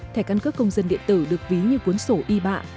thẻ căn cước công dân điện tử được ví như cuốn sổ y bạ